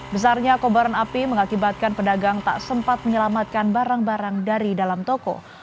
besarnya kobaran api mengakibatkan pedagang tak sempat menyelamatkan barang barang dari dalam toko